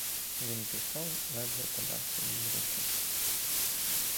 Він пішов, ледве подавши їй руку.